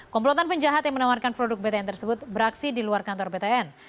komplotan penjahat yang menawarkan produk btn tersebut beraksi di luar kantor btn